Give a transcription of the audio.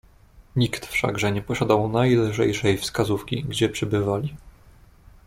"Nikt wszakże nie posiadał najlżejszej wskazówki, gdzie przebywali."